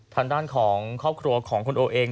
ทางด้านของครอบครัวของคุณโอเอง